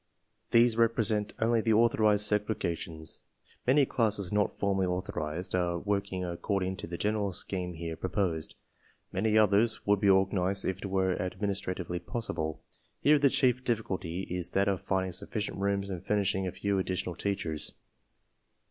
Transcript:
These represent only the authorized segrega tions. Many classes not formally authorized are working according to the general scheme here pro posed. Many others would be organized if it were ad ministratively possible. Here the chief difficulty is that of finding sufficient rooms and furnishing a few additional teachers.